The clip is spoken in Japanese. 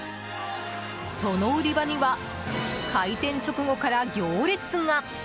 その売り場には開店直後から行列が。